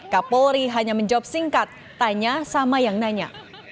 kapolri hanya menjawab singkat tanya sama yang nanya